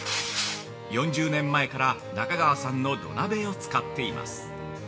４０年前から中川さんの土鍋を使っています。